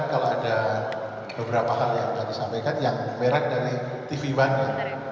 kalau ada beberapa hal yang ingin disampaikan yang merah dari tv one